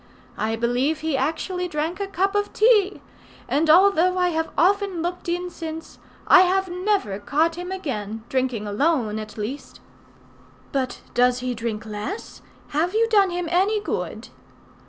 I believe he actually drank a cup of tea; and although I have often looked in since, I have never caught him again, drinking alone at least." "But does he drink less? Have you done him any good?"